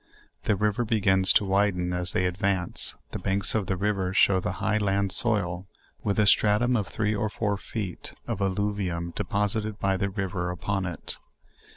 The river begins to widen as they advance; the banks of the river show the high land soil, with a stratum of three or four feet of alluvian deposited by the river upon it.